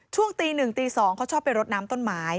ช่วงตีหนึ่งตีสองเขาชอบไปรดน้ำต้นไม้